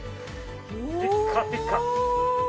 おお！ピッカピカ！